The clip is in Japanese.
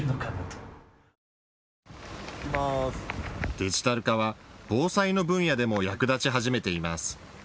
デジタル化は防災の分野でも役立ち始めています。